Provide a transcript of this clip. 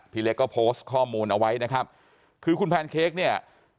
พี่เล็กก็โพสต์ข้อมูลเอาไว้นะครับคือคุณแพนเค้กเนี่ย